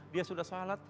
dia sudah shalat